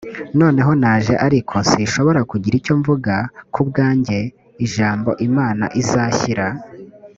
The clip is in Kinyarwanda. noneho naje ariko sinshobora kugira icyo mvuga ku bwanjye e ijambo imana izashyira